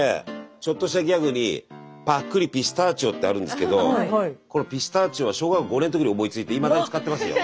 ちょっとしたギャグにってあるんですけどこのピスタチオは小学校５年の時に思いついていまだに使ってますよ。